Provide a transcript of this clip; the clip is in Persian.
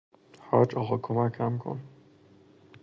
حاج آقا کمکم کن!